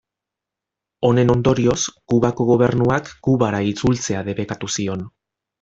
Honen ondorioz Kubako gobernuak Kubara itzultzea debekatu zion.